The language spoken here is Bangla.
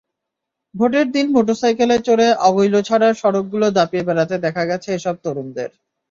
ভোটের দিন মোটরসাইকেলে চড়ে আগৈলঝাড়ার সড়কগুলো দাপিয়ে বেড়াতে দেখা গেছে এসব তরুণদের।